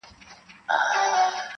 پرېږده چي تڼاکي مي اوبه کم په اغزیو کي-